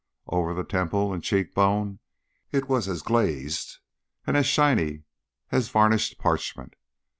Over the temple and cheek bone it was as glazed and as shiny as varnished parchment.